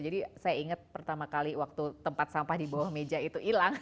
jadi saya ingat pertama kali waktu tempat sampah di bawah meja itu ilang